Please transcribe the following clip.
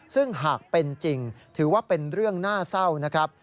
ซึ่งหากเป็นจริงถือว่าเป็นเรื่องน่าเศร้านะครับ